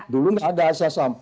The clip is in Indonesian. dulu ada azas ham